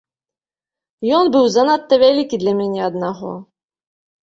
Ён быў занадта вялікі для мяне аднаго.